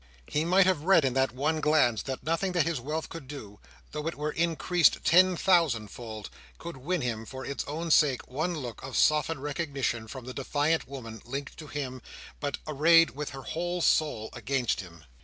He might have read in that one glance that nothing that his wealth could do, though it were increased ten thousand fold, could win him for its own sake, one look of softened recognition from the defiant woman, linked to him, but arrayed with her whole soul against him.